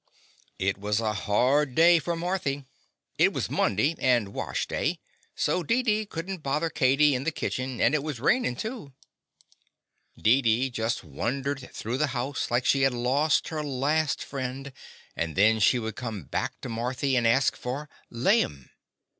It was a hard day for Marthy. It was Monday, and wash day, so Dee dee could n't bother Katie in the kit chen, and it was rainin' too. Deedee The Confessions of a Daddy just wandered through the house, like she had lost her last friend, and then she would come back to Marthy and ask for "laim."